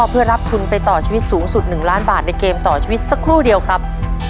เพื่อรับทุนไปต่อชีวิตสูงสุด๑ล้านบาทในเกมต่อชีวิตสักครู่เดียวครับ